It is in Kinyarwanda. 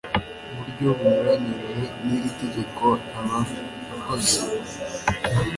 buryo bunyuranyije n iri tegeko aba akoze